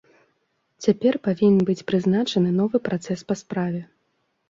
Цяпер павінен быць прызначаны новы працэс па справе.